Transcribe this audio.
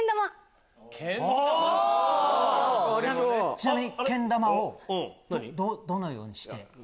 ちなみにけん玉をどのようにして？